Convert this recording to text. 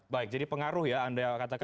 baik jadi pengaruh ya anda katakan